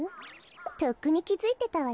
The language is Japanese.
とっくにきづいてたわよ。